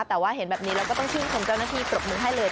แต่ว่าเห็นแบบนี้เราก็ต้องชื่นชมเจ้าหน้าที่ปรบมือให้เลย